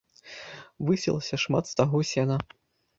Высілася шмат стагоў сена.